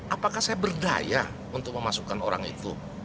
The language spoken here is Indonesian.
apakah saya berdaya untuk memasukkan orang itu